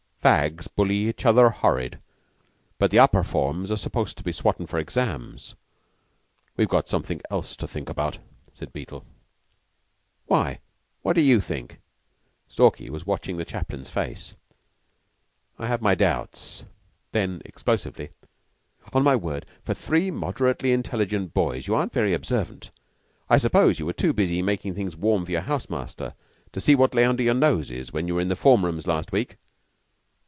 "Fags bully each other horrid; but the upper forms are supposed to be swottin' for exams. They've got something else to think about," said Beetle. "Why? What do you think?" Stalky was watching the chaplain's face. "I have my doubts." Then, explosively, "On my word, for three moderately intelligent boys you aren't very observant. I suppose you were too busy making things warm for your house master to see what lay under your noses when you were in the form rooms last week?"